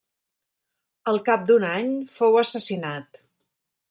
Al cap d'un any fou assassinat.